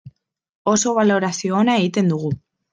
Oso balorazio ona egiten dugu.